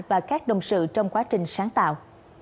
và các đồng sự trong quá trình sáng tạo